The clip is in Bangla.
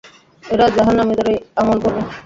এরা জাহান্নামীদেরই আমল করবে।